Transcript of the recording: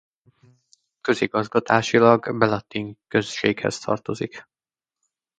Közigazgatásilag Belatinc községhez tartozik.